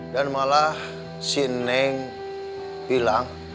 dan malah si neng bilang